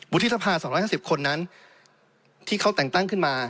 ที่สภา๒๕๐คนนั้นที่เขาแต่งตั้งขึ้นมา